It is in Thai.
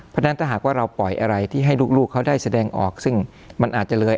เพราะฉะนั้นถ้าหากว่าเราปล่อยอะไรที่ให้ลูกเขาได้แสดงออกซึ่งมันอาจจะเลย